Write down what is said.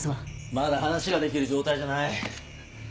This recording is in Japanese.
まだ話ができる状態じゃない。